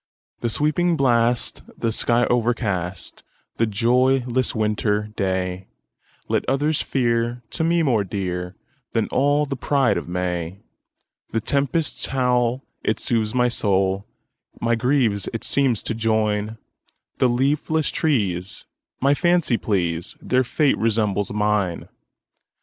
"The sweeping blast, the sky o'ercast,"The joyless winter dayLet others fear, to me more dearThan all the pride of May:The tempest's howl, it soothes my soul, My griefs it seems to join; The leafless trees my fancy please, Their fate resembles mine!